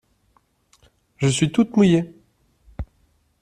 Je suis toute mouillée.